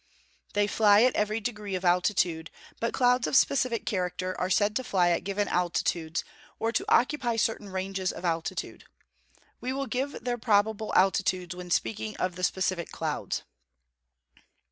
_ They fly at every degree of altitude; but clouds of specific character are said to fly at given altitudes, or to occupy certain ranges of altitude. We will give their probable altitudes when speaking of the specific clouds.